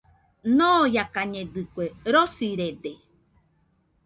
Ñoiakañedɨkue, rosirede.